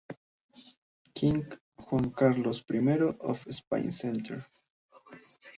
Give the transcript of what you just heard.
King Juan Carlos I of Spain Center.